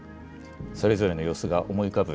それぞれの様子が思い浮かぶ